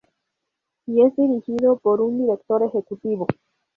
Y es dirigido por un director ejecutivo.